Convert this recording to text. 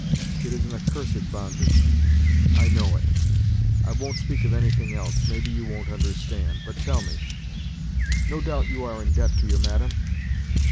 It is an accursed bondage. I know it. I won't speak of anything else, maybe you won't understand, but tell me : no doubt you are in debt to your madam